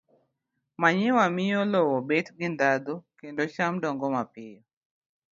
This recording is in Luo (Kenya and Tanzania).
Manyiwa miyo lowo bet gi ndhadhu kendo cham dongo piyo.